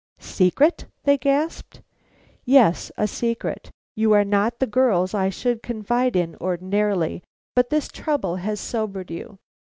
"Secret?" they gasped. "Yes, a secret. You are not the girls I should confide in ordinarily; but this trouble has sobered you."